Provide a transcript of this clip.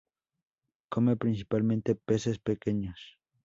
Come principalmente peces pequeños.